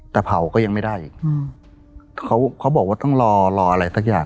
แต่เผาก็ยังไม่ได้อีกเขาเขาบอกว่าต้องรอรออะไรสักอย่าง